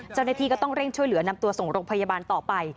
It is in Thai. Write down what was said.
เจ้าหน้าที่ก็ต้องเร่งช่วยเหลือนำตัวส่งโรงพยาบาลต่อไป